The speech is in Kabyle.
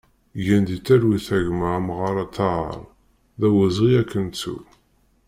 Gen di talwit a gma Amɣar Tahar, d awezɣi ad k-nettu!